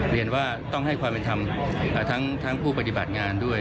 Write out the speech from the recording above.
เรียนว่าต้องให้ความเป็นธรรมทั้งผู้ปฏิบัติงานด้วย